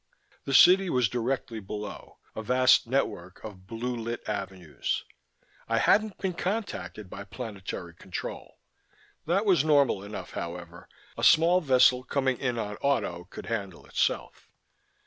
The city was directly below: a vast network of blue lit avenues. I hadn't been contacted by Planetary Control. That was normal enough, however. A small vessel coming in on auto could handle itself.